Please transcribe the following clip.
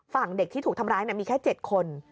ฝั่งเด็กที่ถูกทำร้ายมีแค่๗คน